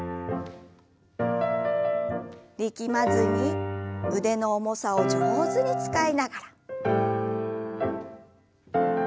力まずに腕の重さを上手に使いながら。